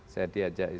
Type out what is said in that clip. saya diajak ke hainan